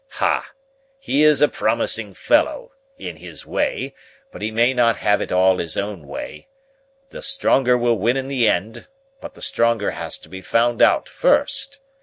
"Hah! He is a promising fellow—in his way—but he may not have it all his own way. The stronger will win in the end, but the stronger has to be found out first.